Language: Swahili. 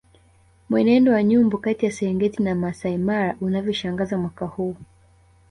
Mwenendo wa nyumbu kati ya Serengeti na Maasai Mara unavyoshangaza mwaka huu